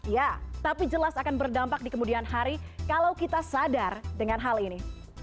ya tapi jelas akan berdampak di kemudian hari kalau kita sadar dengan hal ini